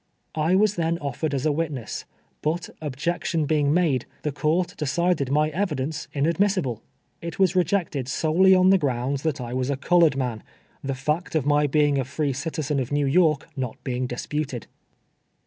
I was then offered as a*Mdtness, but, objection be ing made, the court decided my evidence inadmissible. It was rejected solely on the ground that I was a col 31 G TWELVE YEARS A SLAVE. oretl man — tlio fact of my lieing a free citizen of No\v Vi)rk not Ix'ini:; disputed.